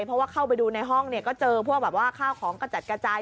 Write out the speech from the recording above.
เพราะว่าเข้าไปดูในห้องก็เจอพวกข้าวของกระจัดกระจาย